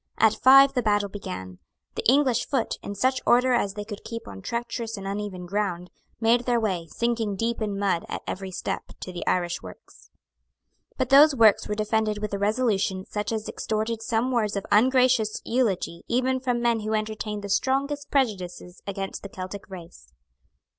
At five the battle began. The English foot, in such order as they could keep on treacherous and uneven ground, made their way, sinking deep in mud at every step, to the Irish works. But those works were defended with a resolution such as extorted some words of ungracious eulogy even from men who entertained the strongest prejudices against the Celtic race.